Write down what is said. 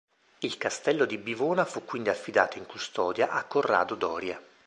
Il castello di Bivona fu quindi affidato in custodia a Corrado Doria.